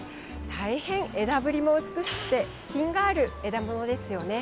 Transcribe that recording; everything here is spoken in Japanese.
大変、枝ぶりも美しくて品がある枝ものですよね。